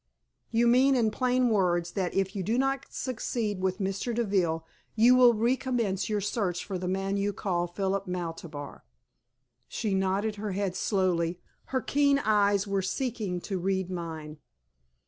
"You mean in plain words that if you do not succeed with Mr. Deville, you will recommence your search for the man you call Philip Maltabar." She nodded her head slowly; her keen eyes were seeking to read mine.